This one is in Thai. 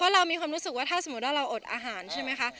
เรามีความรู้สึกว่าถ้าสมมุติว่าเราอดอาหารใช่ไหมคะ